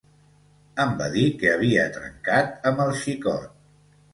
Em va dir que havia trencat amb el xicot.